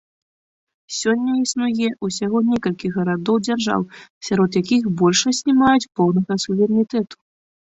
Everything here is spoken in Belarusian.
Сёння існуе ўсяго некалькі гарадоў-дзяржаў, сярод якіх большасць не маюць поўнага суверэнітэту.